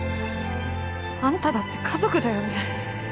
あんただって家族だよね？